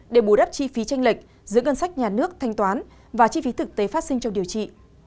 để bù đắp chi phí tranh lệch giữa ngân sách nhà nước thanh toán và chi phí thực tế phát sinh trong điều trị